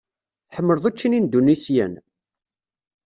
Tḥemmleḍ učči n Indunisyen?